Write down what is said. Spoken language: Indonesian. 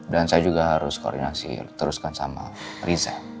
dan saya juga harus koordinasi teruskan sama riza